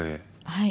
はい。